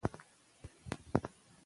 که تحقیق وي نو علم نه زړیږي.